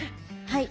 はい。